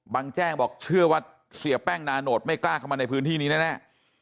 แจ้งบอกเชื่อว่าเสียแป้งนาโนตไม่กล้าเข้ามาในพื้นที่นี้แน่